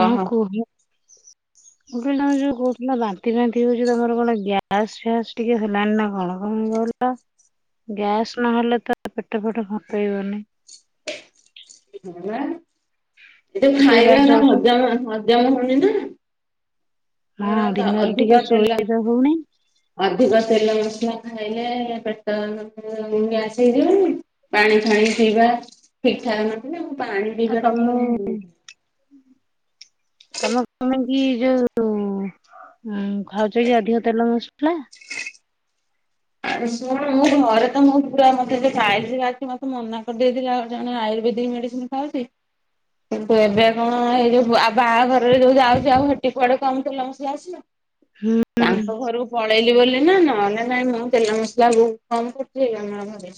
କହ କୁହ ଗୋଟେ ଯୋଉ କହୁଥିଲା ବାନ୍ତି ସେଥିପାଇଁତି ହଉଛି ତମର କଣ ଗ୍ୟାସ ଫ୍ୟାସ ଟିକେ ହେଲଣି ନା କଣ କଣ କିଲ ଗ୍ୟାସ୍ ନହେଲେ ତ ପେଟ ଫୋଟ ଫୋଟେଇବନି [unintelligible] ଏ ଯାଏ ଟିକେ ଗ୍ୟାସ୍ ଖାଇବାର ରହୁଛି ହଜମ ହଜମ ହଉନି ନା ହଁ ରାତା ଦିନରେ ଅଧୁ ଟିକେ ଗାାତଲା ଶୋଇବା ହଉନି ଅଧିକ ତେଲ ମସଲା ଖାଇଲେ ପେଟ ଗ୍ୟାସ ହେଇଯାଉ ପାଣି ଖାଇ ପାଣି ପଇବା ଠିକ ଠାକ ନଥିଲା ପାଣି ଆ ପିଇବା ଟା ମୋର ତମେ ତମେମ କି ଯୋଉ ଖାଉଛ କି ଅଧିକ ତେଲ ମସଲା ଆରେ ଶୁଣୁ ମୋ ଘରେ ତ ମୋ ପୁରା ମତେ ଖ ଆଛି ମତେ ମନା କରିଦେଇଥିଲ ଆଉ ଜଣେ ମେଡ଼ିସିନ୍ ଖାଉଛି କିନ୍ତୁ ଏବେ କଣ ଏଇ ଯୋଉ ଆଉ ବାହାଘରରେ ଯୋଉ ଯାଉଛି ଆଉ ଏଠି କୁଆଡେ କମ୍ ତେଲ ମସଲା ଅଛି ହୁଁ ତାଙ୍କ ଘରକୁ ପଳେଇଲି ବୋଲି ନା ନହେଲେ ନାଇଁ ମୁଁ ତେଲ ମସଲା ବହୁ କମ କରୁଥିଲମ ଘରେ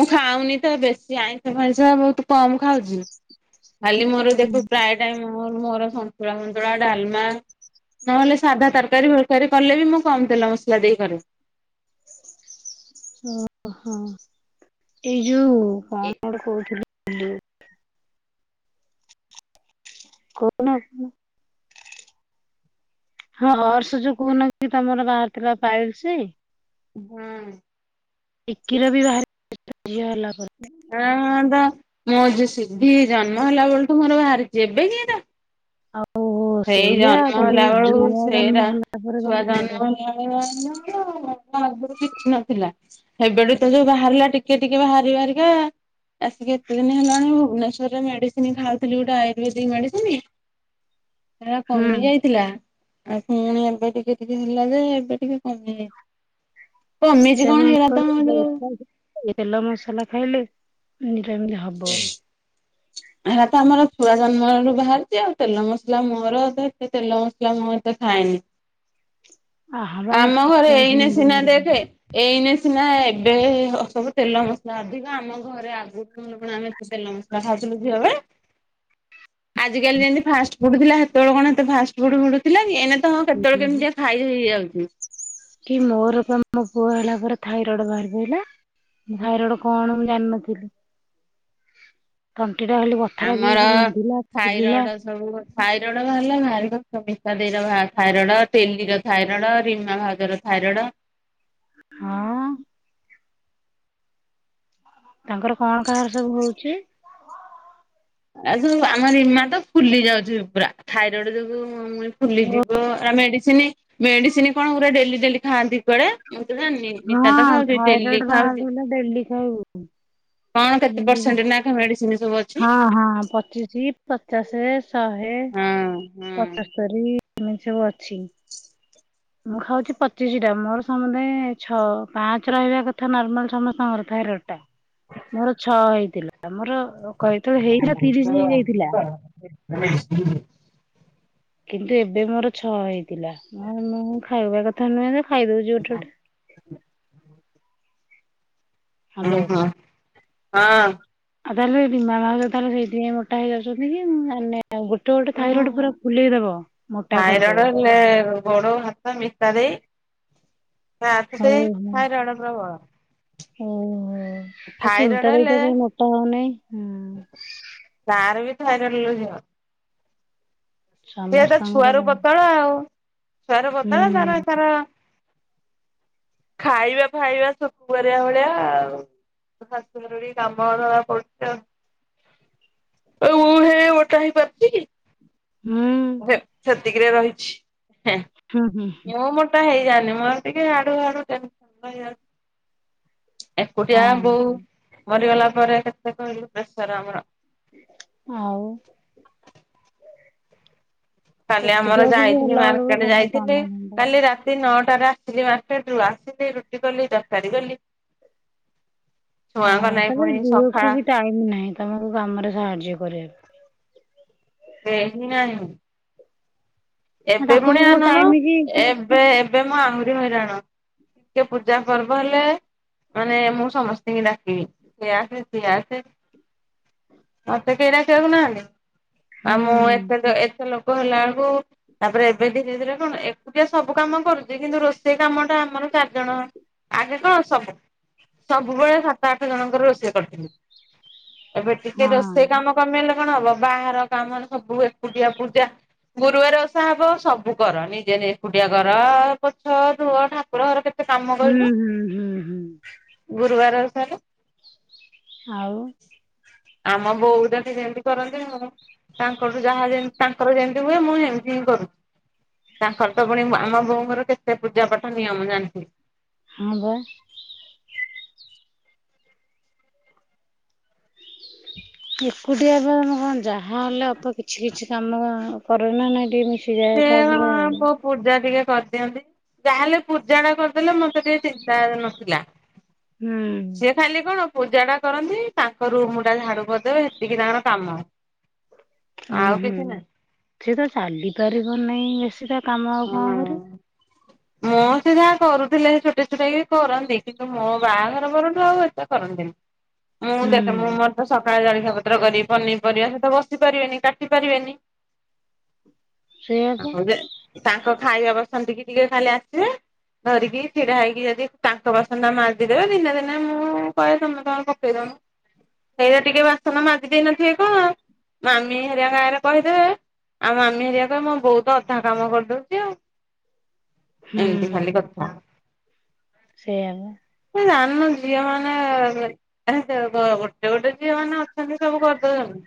ମୁଁ ଖାଉନି ତ ବେଶୀ ଆଇଁଷ ଫଇଁଷ ବହୁତ କମ ଖାଉଛି ଖାଲି ମୋର ଦେଖୁ ପ୍ରାୟ ଟାଇ ମୋର ସନ୍ତୁଳା ସନ୍ତୁଳା ଡାଲମା ନହେଲେ ସାଧା ତରକାରୀ ଫରକାରୀ କଲେ ବି ମୁଁ କମ ତେଲ ମସଲା ଦେଇକରେ ଓହୋ ଏଇ ଯୋଉ ଏ କଣ କଟ କହୁଥିଲ ହ କଣ ହଁ ହର୍ଷ ଯ କହୁନା କି ତମର ବାହାରିଥିଲା ପାଇଲସି ହଁ ଏକ କିର ବି ବାହାର ଆଁ ମଁ ଯଉ ସିଧି ଜନ୍ମ ହେଲା ବଳ ତୁ ମୋର ବାହାରିଛି ଏବେ ଏଇଟା ଆଉ ସେଇ ସେଇଆ ଜନ୍ମ ତାପରେ ହେଲା ବେଳକୁ ଛୁଆ ସେଇଟା ଜନ୍ମ ହେଲା ପରେ ଛୁଆ ବାହାରି ପଡେ। ଜନ୍ମ ହେଲା ବ ଆଗରୁ କିଛି ନଥିଲା ଏବେଠୁ ତ ଯୋଉ ବାହାରିଲା ଟିକେ ଟିକେ ବାହାରି ବାରିକା ଆସିକି ଏତେ ଦିନ ହେଲାଣି ଭୁବନେଶ୍ୱରରେ ମେଡିସିନ ଖାଉଥିଲି ଗୋଟେ ଆୟୁର୍ବେଦିକ ମେଡିସିନି ହେଗା ହୁଁ। କମି ଯାଇଥିଲା ଆଉ ପୁଣି ଏବେ ଟିକେ ଟିକେ ଥିଲା ଯେ ଏବେ ଟିକେ କମି ଯାଇଛି କମିଛି ସେ କଣ କ ହେଇରା ତ ଯୋଉ [unintelligible] ତେଲ ମସଲା ଖାଇଲେ ଏଇଟା ଏମିତି ହବ ଏହା ତ ଆମର ଛୁଆ ଜନ୍ମରୁ ବାହାରିଛି ଆଉ ତେଲ ମସଲା ମୋର ଏତେ ତେଲ ମସଲା ମୁଁ ଏତେ ଖାଏନି ଆ ହବା ଆମ ଘରେ ଏଇନେ ସିନା ଦେଖେ ଏଇନେ ନା ଏବେ ସବୁ ତେଲ ମସଲା ଅଧିକ ଆମ ଘରେ ଆଗୁଠୁ କଣ ଆମେ ଏ ତେଲ ମସଲା ଖାଉଛୁ [unintelligible] ଆଜିିକାଲି ଯେମିତି ଫାଷ୍ଟଫୁଡ ଥିଲା ସେତେବେଳେ କଣ ଏତେ ଫାଷ୍ଟଫୁଡ ମିଳୁଥିଲା କି ଏ ନା ହଁ କେତେବେଳେ କେମିତିକା ଖାଇ ହେଇ ଯାଉଛି କି ମୋର ତ ମୋ ପୁଅ ହେଲା ପରେ ଥାଇରଏଡ ବାହାରି ପଡ଼ିଲା ଥାଇରଡ କଣ ମୁଁ ଜାଣିନଥିଲି [unintelligible] ଛିଡ଼ା ହେଲି ବଥା ଆମର ଲଗେଇକି ବିନ୍ଧିଲା ଫୁଲିଲା ଥାଇରଏଡ ବାହାରିଲା [unintelligible] ମିଶା ଦେଇ ର ଥାଇରଡ ଟିଲିର ଥାଇରଡ ରିମା ଭାଉଜର ଥାଇରଡ ଥାଇରଡ ହଁ ତାଙ୍କର କଣ କାହାର ସବୁ ହଉଛି? ଏଜ ଆମ ରିମା ତ ଫୁଲି ଯାଉଛି ପୁରା ଥାଇରଡ ଯୋଗୁଁ ଓ ଫୁଲିଯିବ ଆ ମେଡିସିନ ମେଡିସିନ କଣ ଗୋଟେ ଡେଲି ଡେଲି ଖାଆନ୍ତି ପରା ମୁଁ ତ ଜାଣିନି ମିତା ତ ହଁ ଖାଉଛି ଥାଇରଏଡ ଡେଲି ଖାଆନ୍ତି ବାହାରିଲେ ଡେଲି ଖାଇବୁ। ହଁ କେତେ ଯେମିତି। ପରସେଣ୍ଟ ନା ମେଡିସିନ ସବୁ ଅଛି ହଁ ହଁ ପଚିଶି ପଚାଶ ଶହେ ହଁ ହଁ। ପଞ୍ଚସ୍ତରୀ ଏମିତି ସବୁ ଅଛି [inaudible] ମୁଁ ଖାଉଛି ପଚିଶିଟା ମୋର ସମୁଦାୟ ଛଅ ପାଞ୍ଚ ରହିବା କଥା ନର୍ମାଲ ସମସ୍ତଙ୍କର ଥାଇରଏଡ଼ ମୋର ଛଅ ହେଇଥିଲା ମୋର କଇଥ ହେଇନ ତିରିଶି ଓହୋ ହୋଇ ଯାଇଥିଲା ହଁ [unintelligible] କିନ୍ତୁ ଏବେ ମୋର ଛଅ ହେଇଥିଲା ମୁଁ ମୁଁ ଖାଇବା କଥା ନୁହେଁ ଯେ [unintelligible] ହ୍ୟାଲୋ। ଓହୋ ହଁ ଆଉ ତାହେଲେ ରୀମା ଭାଉଜ ତାହଲେ ସେଇଥିପାଇଁ ମୋଟା ହେଇଯାଉଛନ୍ତି କି ମୁଁ ଜାଣିନି ଗୋଟେ ଗୋଟେ ଥାଇରଏଡ ପୁରା ଫୁଲେଇଦବ ମୋଟା ଥାଇରଏଡ କରିଦବ ହେଲେ ଗୋଡ ୟାଙ୍କୁ ହଉ ସେଇ ହଉ ଥାଇରଏଡର ଭୟ ଓହୋ ଆଉ ସୁନନ୍ତା ଭାଇ ତ ହେଲେ କଣ ପାଇଁ ମୋଟା ହଉନାହିଁ ହୁଁ ଥାଇରଡ ଲୋ ଝିଅ ସିଏତ ଛୁଆରୁ ସମସ୍ତଙ୍କର ପତଳା ଆଉ ଛୁଆରୁ ପତଳା ତାର ହୁଁ ତାର ଖାଇବା ଫାଇବା ସବୁ ବଢିଆ ବଢିଆ ଆଉ ତା ଶାଶୁ ଘରେ ବି କାମର [unintelligible] ଆଲୋ ମୁଁ ହେଲେ ମୋଟା ହୋଇ ପାରୁଛି ହୁଁ କି ସେତିକିରେ ରହିଛି ହେଁ ହୁଁ ହୁଁ ମୁଁ ମୋଟା ହେଇଯାଆନ୍ତି ମୋର ଟିକେ ହାଡୁ ହାଡୁ ଟେନସନ୍ ରହି ଯାଇଛି ଏକୁଟିଆ ହଁ ବୋଉ ମରିଗଲା ପରେ କେତେ କହିଲୁ ପ୍ରେସର ଆମର ଆଉ କାଲି ଆମର ଏକୁଟିଆକୁ ବି ଯାଇଥିଲି ହେଲା ବେଳକୁ ମାର୍କେଟ ସବୁ କାମ ଯାଇଥିଲି ଧନ୍ଦା କାଲି ରାତି ନଅ ତାପରେ ଆସିଲି ମାର୍କେଟରୁ ଆସିଲି ରୁଟି କଲି ତରକାରୀ କଲି ଛୁଆଙ୍କ ହଁ ନାଇଁ ତାପରେ ପୁଣି ଝିଅକୁ ବି ସକାଳ ଟାଇମ ନାହିଁ ତମକୁ କାମରେ ସାହାଯ୍ୟ କରିବା ପାଇଁ ସେନ ଆ [unintelligible] ଏବେ ତାକୁ ପୁଣି ବି କୋଉ ଆନନ କି ଏବେ ଏବେ ମୁଁ ଆହୁରି ହଇରାଣ ଟ କେେ ପୂଜା ପର୍ବ ହେଲେ ମାନେ ମୁଁ ସମସ୍ତଙ୍କୁ ଡାକିବି ସେଏ ଆସେ ସିଏ ଆସେ ମତେ କେହି ଡାକିବାକୁନାହାନ୍ତି ଆଉ ହୁଁ ମୁଁ ଏତେ ଏତେ ଲୋକ ହେଲା ବେଳକୁ ତାପରେ ଏବେ ଧୀରେ ଧୀରେ କଣ ଏକୁଟିଆ ସବୁ କାମ କରୁଛି କିନ୍ତୁ ରୋଷେଇ କାମ ଟା ଆମର ଚାରିଜଣ ଆଗେ କଣ ସବୁ ସବୁବେଳେ ସାତ ଆଠ ଜଣଙ୍କର ରୋଷେଇ କରିଥିଲି ଏବେ ଟିକେ ହଁ ରୋଷେଇ କାମ କମେଇଲା କଣ ହବ ବାହାର କାମରେ ସବୁ ଏକୁଟିଆ ପୂଜା ଗୁରୁବାର ବ ସବୁ କର ନିଜେ ଏକୁଟିଆ କର ପଛ ଧୁଅ ଠାକୁର ଘର କେତେ କାମ ହୁଁ କହିଲୁ ହୁଁ ହୁଁ ହୁଁ ଗୁରୁବାର ସାର୍ ଆଉ ଆମ ବୋଉ ଟ ଟ ଯେମତି କରନ୍ତି ଆ ତାଙ୍କଠୁ ଯାହା ଯେମତି ତାଙ୍କର ଯେମିତି ହୁଏ ମୁଁ ସେମିତି ହିଁ କରୁଛି ତାଙ୍କର ତ ପୁଣି ଆମ ବୋଉଙ୍କର କେତେ ପୂଜା ପାଠ ନିୟମ ଜାଣିଥି ହଁ ବା। ଏକୁଟିଆପା ମୁଁ କଁ ଯାହାହେଲେ ଅପା କିଛି କିଛି କାମ କର ନା ନାଇ ଟିକେ। ମିଶିଯାଏ ସେଇଆପା ତାପରେ [unintelligible] ହୁଁ ପୋ ପୂଜା ଟିକେ କରିଦିଅନ୍ତି ଯାହାହେଲେ ପୂଜାଟା କରିଦେଲେ ମତେ ଟିକେ ଚିନ୍ତା ନଥିଲା। ସିଏ ଖାଲି କଣ? ପୂଜାଟା କରନ୍ତି ତାଙ୍କ ରୁମୁଟା ଝାଡୁ କରିଦେବେ ସେତିକି ତାଙ୍କର କାମ। ହୁଁ ଆଉ ହୁଁ କିଛି ନାହିଁ ସିଏ ତ ଚାଲିପାରିବ ନେହିଁ ବେଶୀ ତା କାମ ଆଉ କଁ କରିବ। ମୋ ସେ ଯାଆ କରୁଥିଲେ ଛୋଟଇ ଛୋଟାଇ କରନ୍ତି କିନ୍ତୁ ମୋ ବାହାଘର ପରଠୁ ଆଉ ଏତେ କରନ୍ତିନି। ମୁଁ ହୁଁ ଦେ [unintelligible] ମୁଁ ମୋରତ ସକାଳେ ଜଳିଖିଆ। ପତ୍ର କରିକି ପନିପରିବା ସେତ ବସି ପାରିବେନି କାଟି ପାରିବେନି। ସେଇଆପା। ଆଉ ଯେ ତାଙ୍କ ଖାଇବା ବସନ୍ତିକି ଟିକେ ଖାଲି ଆସିବେ। ଧରିକି ଛିଡା ହେଇକି ଯଦି ତାଙ୍କ ବାସନଟା ମାଜିଦବେ ଦିନେ ଦିନେ ମୁଁ କହେ ତମେ କଣ ପକେଇଦବ। ସେଇଟା ଟିକେ ବାସନ ମାଜି ଦେଇ ନଥିବେ କଣ ମାମି ହେରିଆଙ୍କ ଆଗାରେ କହିଦେବେ ଆଉ ମାମି ହେରିଆ କହିବେ ମୋ ବୋହୁତ ଅଧା କାମ କରିଦଉଚି ଆଉ ଏମିତି ଖାଲି କଥା। ସେଇଆବା। ଆମ ଝିଅ ମାନେ [unintelligible] ଗ ଗୋଟେ ଗୋଟେ ଝିଅ ମାନେ ଅଛନ୍ତି ସବୁ କରିଦଉଚନ୍ତି।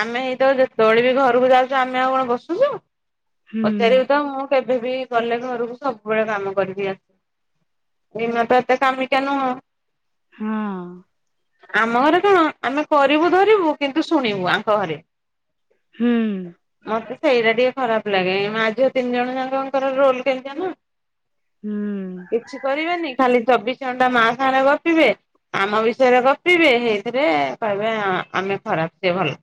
ଆମେ ଏଇତ ଯେତବେଳେ ବି ଘରକୁ ଯାଉଚୁ ଆମେ ଆଉ କଣ ବସୁଚୁ। ହୁଁ ପଚାରିବୁତ ମୁଁ କେବେବି ଗଲେ ଘରୁକୁ ସବୁବେଳେ କାମ କରିଦିଏ। ବିମା ତ ଏତେ କାମିକିଆ ନୁହଁ। ହଁ। ଆମ ଘରେ କଣ ଆମେ କରିବୁ ଧରିବୁ କିନ୍ତୁ ଶୁଣିବୁ ଆଙ୍କ ଘରେ। ହୁଁ। ସେଇଟା ଟିକେ ଖରାପ୍ ଲାଗେ ମା, ଝିଅ ତିନି ଜଣ ଜାଙ୍କଙ୍କର ରୋଲ କେମିତିଆନା। ହୁଁ କିଛି କରିବେନି ଖାଲି ଚବିଶ ଘଣ୍ଟା ମା ସାଙ୍ଗରେ ଗପିବେ। ଆମ ବିଷୟରେ ଗପିବେ ସେଇଥିରେ କହିବେ ଆମେ ଖରାପ ସିଏ ଭଲ।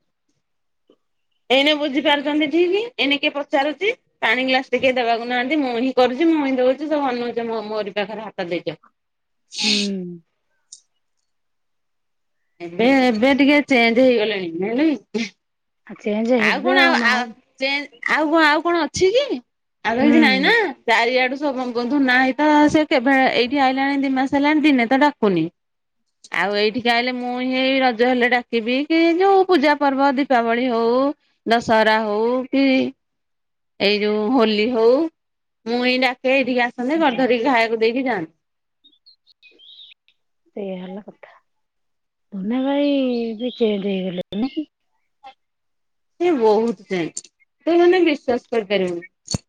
ଏଇନେ ବୁଝି ପାରୁଚନ୍ତି ଠିକ୍। ଏଇନେ କିଏ ପଚାରୁଚି ପାଣି ଗ୍ଲାସଟିଏ କିଏ ଦେବାକୁ ନାହାନ୍ତି ମୁଁ ହିଁ କରୁଚି ମୁଁ ହିଁ ଦଉଚି ସବୁ ଅନଉଚନ୍ତି ମୋ ମୁଅରେ। ତାଖରା ହାତ ଦେଇଚ। ହୁଁ। ଏବେ ଏବେ ଟିକେ ଚେଞ୍ଜ ହେଇଗଲେଣି ଜାଣିଲକି। ଆଉ ଚେଞ୍ଜ ଆଉ ହେବେ କ'ଣ ଆଉ ମା ଆଉ ଚେଁ ଆଉ କ'ଣ ଆଉ କ'ଣ ଅଛି କି ଆଉ ତ ହୁଁ କିଛି ନାହିଁ ନା। ଚାରିଆଡୁ [inaudible] ସେ କେବେ ଏଇଠି ଆଇଲାଣି ଦି ମାସେ ହେଲାଣି ଦିନେ ତ ଡାକୁନି। ଆଉ ଏଇଠିକି ଆଇଲେ ମୁଁହିଁ ରଜ ହେଲେ ଡାକିବି କି ଯୋଉ ପୂଜା ପର୍ବ ଦୀପାବଳି ହଉ ଦଶହରା ହଉ କି ଏଇ ଯୋଉ ହୋଲି ହଉ ମୁଁଇ ଡାକେ ଏଇଠିକି ଆସ ଯେ ହୁଁ। କରି ଧରିକି ଖାଇବାକୁ ଦେଇକି ଯାନ୍ ସେଇଆ ହେଲା କଥା। ଟୁନା ଭାଇ ବି ଚେଞ୍ଜ ହେଇଗଲେ ନାହିଁ। ସିଏ ବହୁତ ଚେଞ୍ଜ ତୁ ମାନେ ବିଶ୍ଵାସ କରିପାରିବନି।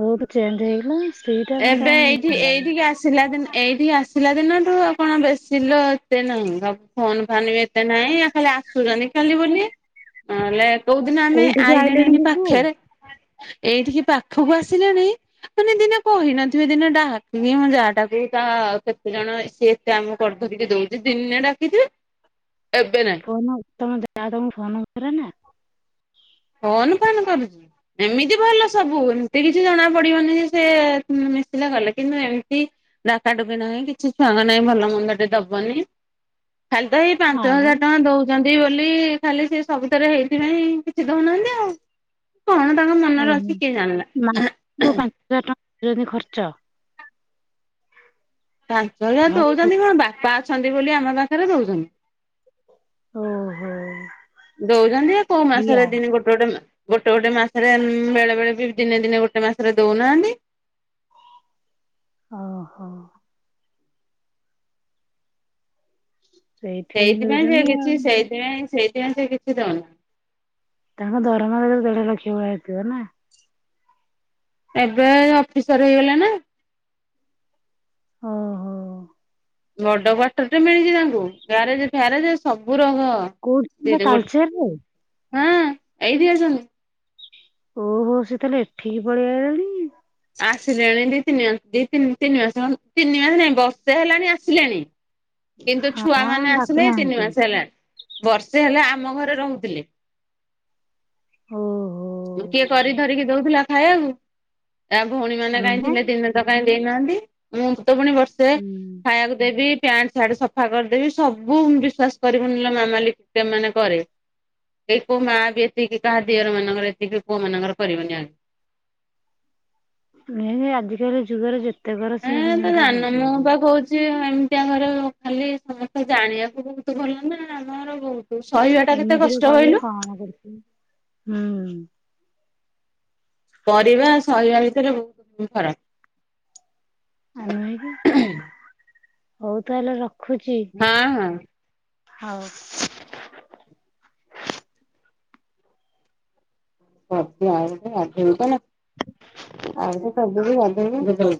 ବହୁତ ଚେଞ୍ଜ ହେଇଗଲା। ସେଇଟା ମତେ ଏବେ ଏଇଠି ଭଲ ଲାଗେ। ଏଇଠିକି ଆସିଲା ଦିନ ଏଇଠିକି ଆସିଲା ଦିନଠୁ ଆଉ କ'ଣ ବେଶୀ ଲୋ ଏତେ ନାହିଁ। [inaudible] ଫୋନ ଫାନ୍ ବି ଏତେ ନାହିଁ ଖାଲି ଆସୁଛନ୍ତି ଖାଲି ବୋଲି ନହେଲେ କୋଉଦିନ ଆମେ କୋଉଠିକି ଆଇଲେଣି ଏଠି କି ସେ? ପାଖରେ ଏଇଠିକି ପାଖକୁ ଆସିଛନ୍ତି ମାନେ ଦିନ କହିନଥିବେ ଦିନେ ଡାହାକିବି ମୋ ଜା ଟା କି ତା କେତେ ଜଣ ସିଏ ଏତେ ଆମ କରି ଧରିକି ଦଉଛି। ଦିନେ ଡାକିଥିବେ। ଏବେ ନାଇଁ ଫୋନ ଉଠଉନ ଜା ତମକୁ ଫୋନ କରେ ନା? ଫୋନ ଫାନ କରୁଛି। ଏମିତି ଭଲ ସବୁ ଏମିତି କିଛି ଜଣା ପଡିବନି ଯେ ସେ ମିଶିଲେ ଗଲେ କିନ୍ତୁ ଏମିତି ଡାକାଡୁକି ନାହିଁ କିଛି ଛୁଆଙ୍କ ନାଇ ଭଲ ମନ୍ଦ ଟେ ଦବନି। ଖାଲି ତ ହେଇ ପାଞ୍ଚ ଆଉ ହଜାର ଟଙ୍କା ଦଉଛନ୍ତି ବୋଲି ଖାଲି ସିଏ ସବୁଥରେ ହେଇଥିପାଇଁ ଛି ଦଉ ନାହାନ୍ତି ଆଉ। କଣ ତାଙ୍କ ମନରେ ଓହୋଃ! ଅଛି କିଏ ଜାଣିଲା। ନା ନା ଯୋଉ ପାଞ୍ଚ ହଜାର ଟଙ୍କା ଯଦି ଖର୍ଚ୍ଚ ପାଞ୍ଚ ହଜାର ଘରକୁ। ଦଉଛନ୍ତି କ'ଣ ବାପା ଅଛନ୍ତି ବୋଲି ଆମ ପାଖରେ ଓହୋ। ଦଉଛନ୍ତି। ଦଉଛନ୍ତି। କୋଉ ଏଇଆ ମାସରେ ଦିନେ ଗୋଟେ ଗୋଟେ ମା ଗୋଟେ ଗୋଟେ ମାସରେ ବେଳେ ବେଳେ ବି ଦିନେ ଦିନେ ଗୋଟେ ମାସରେ ଦଉନାହାନ୍ତି। [inaudible] ଓହୋଃ! ସେଇଥିପାଇଁ ସେ ଦଉଛନ୍ତି ଆଉ। କିଛି ସେଇଥିପାଇଁ ସେଇଥିପାଇଁ ସେ କିଛି ଦଉନି। ତାଙ୍କ ଦରମା ଦେଢ଼ ଲକ୍ଷ୍ୟ ଭଳିଆ ହେଇଥିବ ନା? ଏବେ ଅଫିସର ହେଇଗଲା ନା। ଓହୋଃ! ବଡ କ୍ଵାର୍ଟର ଟେ ମିଳିଛି ତାଙ୍କୁ ଗ୍ୟାରେଜ ଫ୍ୟାରେଜ ସବୁ ର କୋଉଠି ହଁ, ଥିଲା [unintelligible] ତାଳଚେରରେ? ହାଁ ଏଇଠି ଅଛନ୍ତି। ଓହୋଃ! ସିଏ ତାହେଲେ ଏଠିକି ପଳେଇଆ ଆଇଲାଣି। ଆସିଲେଣି ଦି ତିନି ମାସ ଦି ତିନି ତିନି ମାସ ହ ତିନି ମାସ ନାଇଁ ବର୍ଷେ ହେଲାଣି ଆସିଲେଣି। କିନ୍ତୁ ଛୁଆ ହଁ ମାନେ ଆସିଲେ ତିନି ଡାକୁନାହାନ୍ତି ମାସ ହେଲାଣି ବର୍ଷେ ହେଲା ଆ ମ ଘରେ ରହୁଥିଲେ। ହୋ ଯୋଉ କିଏ କରି ଧରିକି ଦଉଥିଲା ଖାଇବାକୁ? ତା ଭଉଣୀମାନେ କାହିଁ ଥିଲେ ନୁହେଁ ଦିନେ ତ କାଇଁ ଦେଇନାହାନ୍ତି? ମୁଁ ତ ପୁଣି ବର୍ଷେ ହୁଁ ଖାଇବାକୁ ଦେବି ପ୍ୟାଣ୍ଟ ସାର୍ଟ ସଫା କରିଦେବି ସବୁ ବିଶ୍ଵାସ କରିବୁନି ଲୋ ମାମାଲି ମାନେ କରେ। କେହି କଉ ମା ବି ଏତିକି କହା ଦିଅର ମନଙ୍କର ତିକି ପୁଅ ମାନଙ୍କର କରିବନି ଆ [inaudible] ଆଜିକାଲି ଯୁଗରେ ଯେ ଏଁ ତମେ ଯାଣିନ ମୁଁ ବା କହୁଛି ଏମିତିଆ ଘରେ ଖାଲି ସମସ୍ତେ ଜାଣିବାକୁ ବହୁତ ଭଲ ନା ଆମର ବହୁତ ସହିବା ଟା କେତେ ଏମିତିରେ କଷ୍ଟ କହିଲ କହିଲୁ କଣ କରଛୁ? ହୁଁ, କରିବା, ସହିବା ଭିତରେ ବହୁତ ଫରକ୍। ଆମେ ହେଇକି, ହଉ ତାହେଲେ ରଖ। ହାଁ, ହଁ। ହଉ। [inaudible] ତ ନ ଆଉ ସେ ସବୁ ବି [unintelligible]